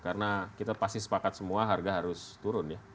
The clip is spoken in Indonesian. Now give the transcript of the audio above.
karena kita pasti sepakat semua harga harus turun ya